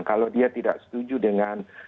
kalau dia tidak setuju dengan